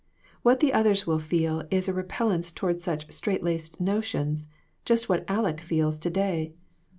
"What the others will feel is a repellence toward such strait laced notions ; just what Aleck feels to day.